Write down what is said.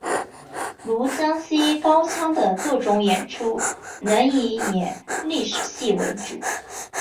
如江西高腔的各种演出仍以演历史戏为主。